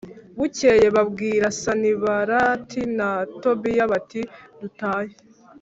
Bukeye babwira Sanibalati na Tobiya bati Dutahe